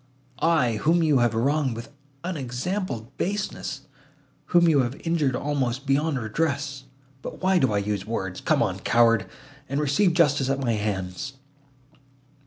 I—whom you have wronged with unexampled baseness, whom you have injured almost beyond redress! But why do I use words?—Come on, coward, and receive justice at my hands!"